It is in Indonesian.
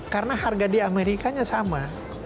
karena harga di amerika nya sama